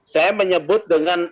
saya menyebut dengan